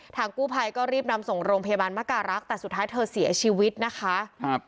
กู้ภัยก็รีบนำส่งโรงพยาบาลมการรักษ์แต่สุดท้ายเธอเสียชีวิตนะคะครับ